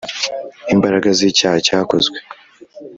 imbaraga z’icyaha cyakozwe.